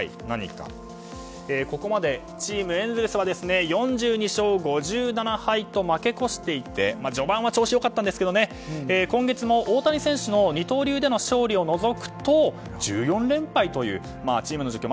ここまでチーム、エンゼルスは４２勝５７敗と負け越していて序盤は調子が良かったんですが今月も大谷選手の二刀流での勝利を除くと１４連敗という、チームの状況